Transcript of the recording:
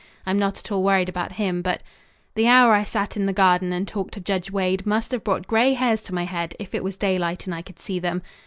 I'm not at all worried about him, but The hour I sat in the garden and talked to Judge Wade must have brought grey hairs to my head if it was daylight and I could see them.